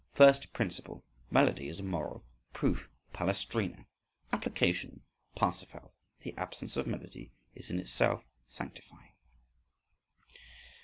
… First principle: melody is immoral. Proof: "Palestrina". Application: "Parsifal." The absence of melody is in itself sanctifying.